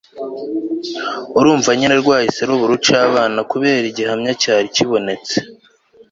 urumva nyine rwahise ruba urucabana kuko igihamya cyari kibonetse